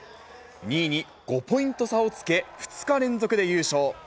２位に５ポイント差をつけ、２日連続で優勝。